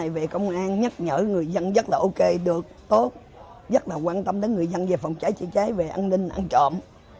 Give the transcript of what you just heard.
về công an nhắc nhở người dân rất là ok được tốt rất là quan tâm đến người dân về phòng cháy chữa cháy về an ninh ăn trộm